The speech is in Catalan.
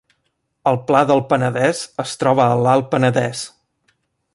El Pla del Penedès es troba a l’Alt Penedès